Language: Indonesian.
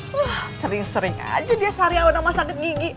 wah sering sering aja dia seharian sama sakit gigi